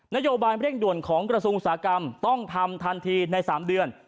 นโยบายเร่งด่วนของกระทรวงอุตสาหกรรมต้องทำทันทีใน๓เดือน